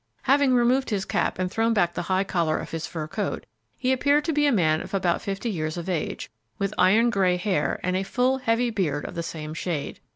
Having removed his cap and thrown back the high collar of his fur coat, he appeared to be a man of about fifty years of age, with iron gray hair and a full, heavy beard of the same shade.